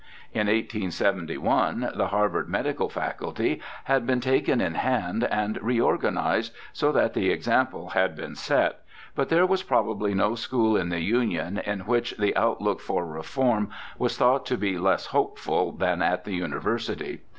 In 1871 the Harvard Medical Faculty had been taken in hand and re organized, so that the example had been set, but there was probably no school in the Union in which the out look for reform was thought to be less hopeful than at the University.